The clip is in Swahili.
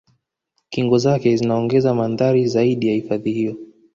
Kingo zake zinaongeza mandhari zaidi ya hifadhi hiyo